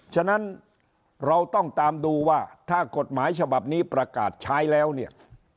ฉะนั้นเราต้องตามดูว่าถ้ากฎหมายฉบับนี้ประกาศใช้แล้วเนี่ย